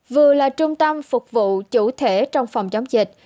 vừa là trung tâm phục vụ chủ thể trong phòng chống dịch